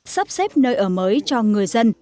sắp xếp nơi ở mới cho người dân